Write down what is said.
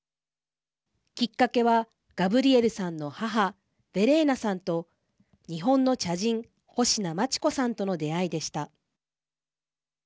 きっかけは、ガブリエルさんの母ヴェレーナさんと日本の茶人科眞智子さんとの出会いでした。